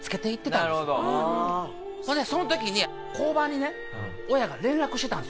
ほんでその時に交番にね親が連絡してたんですよ。